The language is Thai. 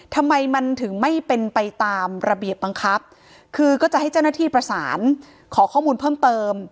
ทำไมมันถึงไม่เป็นไปตามระเบียบบังคับคือก็จะให้เจ้าหน้าที่ประสานขอข้อมูลเพิ่มเติม